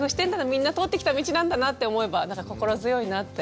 みんな通ってきた道なんだなって思えば心強いなって思いました。